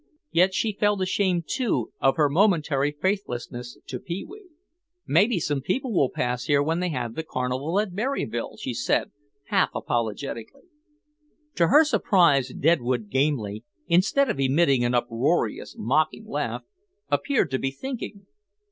Yet she felt ashamed, too, of her momentary faithlessness to Pee wee. "Maybe some people will pass here when they have the carnival at Berryville," she said, half apologetically. To her surprise Deadwood Gamely, instead of emitting an uproarious, mocking laugh, appeared to be thinking.